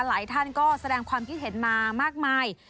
หลายท่านก็แสดงความคิดเห็นมามากมาย